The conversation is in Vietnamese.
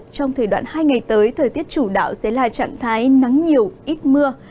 trong thời đoạn hai ngày tới thời tiết chủ đạo sẽ là trạng thái nắng nhiều ít mưa